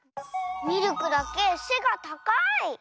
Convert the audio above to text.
ミルクだけせがたかい！